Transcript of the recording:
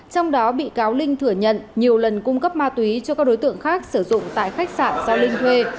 trong đó bị cáo linh thừa nhận nhiều lần cung cấp ma túy cho các đối tượng khác sử dụng tại khách sạn do linh thuê